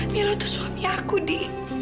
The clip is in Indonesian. milo tuh suami aku nih